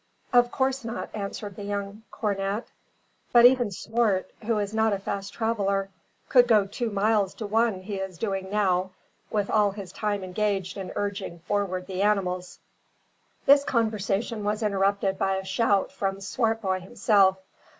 "Of course not," answered the young cornet, "but even Swart, who is not a fast traveller, could go two miles to one he is doing now, with all his time engaged in urging forward the animals." This conversation was interrupted by a shout from Swartboy himself.